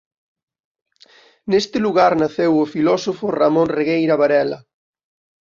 Neste lugar naceu o filósofo Ramón Regueira Varela.